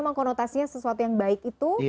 emang konotasinya sesuatu yang baik itu